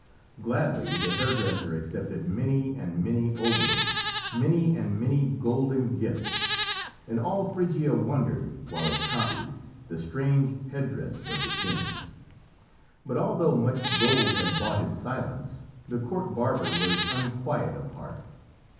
Gladly the hairdresser accepted many and many oboli, many and many golden gifts, and all Phrygia wondered, while it copied, the strange headdress of the king. But although much gold had bought his silence, the court barber was unquiet of heart.